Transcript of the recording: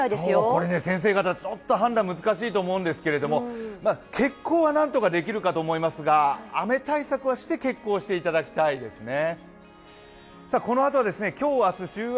これね、先生方、ちょっと判断難しいと思うんですけど、決行は何とかできると思いますが、雨対策はして決行していただきたいですね。